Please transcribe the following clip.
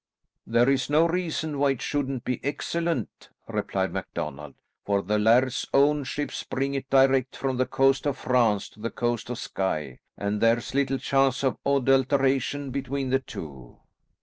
"There is no reason why it shouldn't be excellent," replied MacDonald, "for the laird's own ships bring it direct from the coast of France to the coast of Skye, and there's little chance of adulteration between the two."